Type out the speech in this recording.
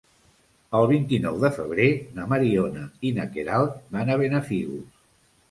El vint-i-nou de febrer na Mariona i na Queralt van a Benafigos.